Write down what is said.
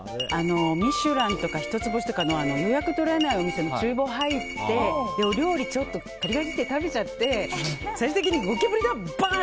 「ミシュラン」とか一つ星とかの予約取れないお店の厨房入ってお料理をちょっと食べちゃってゴキブリだ、バーン！